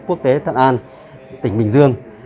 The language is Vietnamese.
quốc tế thuận an tỉnh bình dương